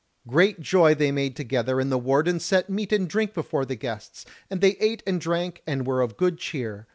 Great joy they made together, and the wardens set meat and drink before the guests, and they ate and drank and were of good cheer.